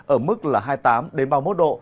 ở mức là hai mươi tám ba mươi một độ